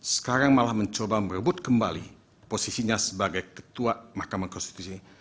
sekarang malah mencoba merebut kembali posisinya sebagai ketua mahkamah konstitusi